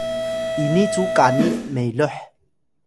ini cu kani meloh